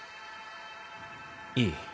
いい。